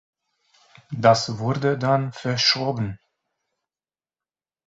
Das wurde dann verschoben.